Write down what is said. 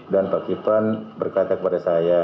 dan pak ki plan berkata kepada saya